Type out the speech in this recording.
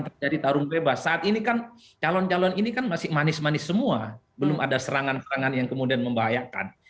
terjadi tarung bebas saat ini kan calon calon ini kan masih manis manis semua belum ada serangan serangan yang kemudian membahayakan